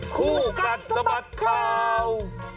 คู่กันสมัครค่าว